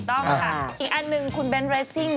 ต้องค่ะอีกอันหนึ่งคุณเบ้นเรสซิ่ง